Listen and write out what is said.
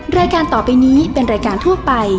รายการต่อไปนี้เป็นรายการทั่วไป